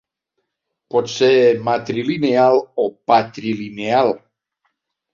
Pot ser matrilineal o patrilineal.